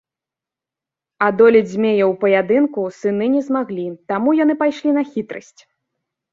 Адолець змея ў паядынку сыны не змаглі, таму яны пайшлі на хітрасць.